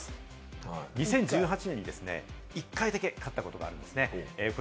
２０１８年に１回だけ勝ったことあるんです。